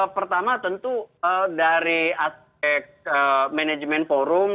pertama tentu dari aspek manajemen forum